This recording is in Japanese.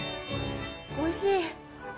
おいしい。